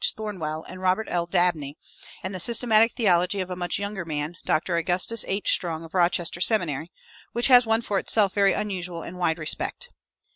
Thornwell and Robert L. Dabney; and the "Systematic Theology" of a much younger man, Dr. Augustus H. Strong, of Rochester Seminary, which has won for itself very unusual and wide respect.